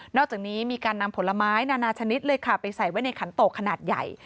อกจากนี้มีการนำผลไม้นานาชนิดเลยค่ะไปใส่ไว้ในขันโตขนาดใหญ่